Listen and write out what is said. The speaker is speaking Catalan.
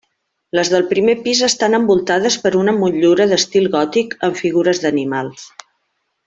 Les del primer pis estan envoltades per una motllura d'estil gòtic amb figures d'animals.